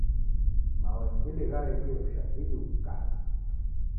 Mawakili gharedie w'ushahidi ghukate.